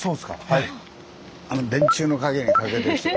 はい。